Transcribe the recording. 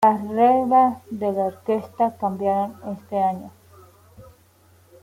Las reglas de la orquesta cambiaron este año.